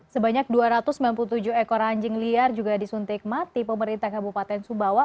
sebanyak dua ratus sembilan puluh tujuh ekor anjing liar juga disuntik mati pemerintah kabupaten sumbawa